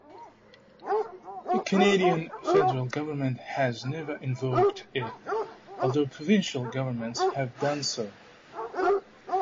The Canadian federal government has never invoked it, although provincial governments have done so.